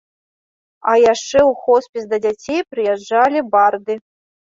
А яшчэ ў хоспіс да дзяцей прыязджалі барды.